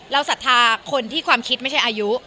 ศรัทธาคนที่ความคิดไม่ใช่อายุ